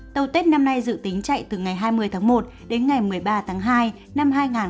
tàu tết năm nay dự tính chạy từ ngày hai mươi một một mươi ba hai hai nghìn hai mươi hai chia làm ba giai đoạn